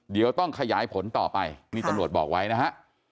เดี๋ยวต้องขยายผลต่อไปนี่ตำรวจบอกไว้นะฮะ